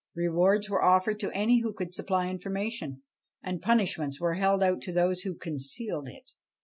Rewards were offered to any who could supply information, and punishments were held out to those who concealed it.